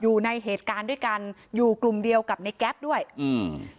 อยู่ในเหตุการณ์ด้วยกันอยู่กลุ่มเดียวกับในแก๊ปด้วยอืม